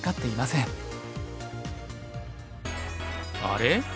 「あれ？